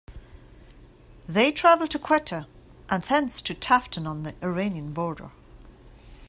They travel to Quetta, and thence to Taftan on the Iranian border.